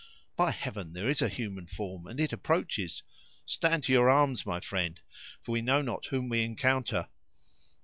"By heaven, there is a human form, and it approaches! Stand to your arms, my friends; for we know not whom we encounter."